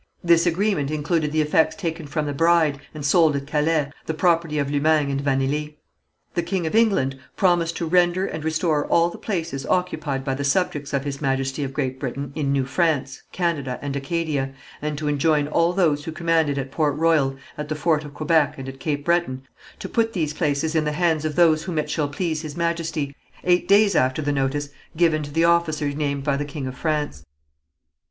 This agreement included the effects taken from the Bride, and sold at Calais, the property of Lumagne and Vanelly. The king of England promised to render and restore all the places occupied by the subjects of His Majesty of Great Britain in New France, Canada and Acadia, and to enjoin all those who commanded at Port Royal, at the fort of Quebec and at Cape Breton, to put these places in the hands of those whom it shall please His Majesty, eight days after notice given to the officers named by the king of France.